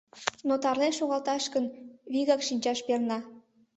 Но тарлен шогалташ гын, вигак шинчаш перна.